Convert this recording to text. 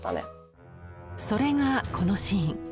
それがこのシーン。